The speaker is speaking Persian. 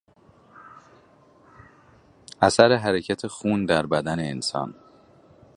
اثر حرکت خون در بدن انسان